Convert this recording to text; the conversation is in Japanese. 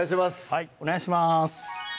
はいお願いします